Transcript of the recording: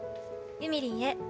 「ゆみりんへ。